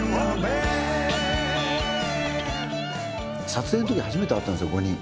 撮影のとき初めて会ったんですよ、５人。